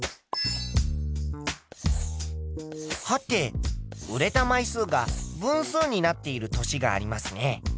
はて売れた枚数が分数になっている年がありますね。